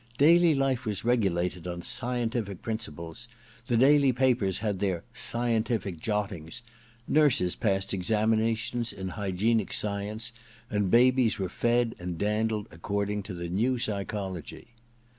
Daily life was regulated on scientific principles ; the daily papers had their * Scientific Jottings '; nurses passed examinations in hygienic science, and Dabies were fed and dandled according to the new psychology.